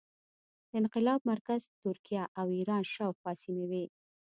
د انقلاب مرکز ترکیه او ایران شاوخوا سیمې وې.